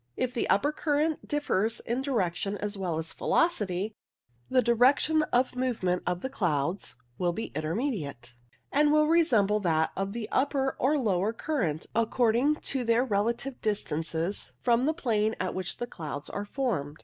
If the upper current differs in direction as well as velocity, the direction of movement of the clouds will be intermediate, and will resemble that of the upper or lower current, according to their relative dis tances from the plane at which the clouds are formed.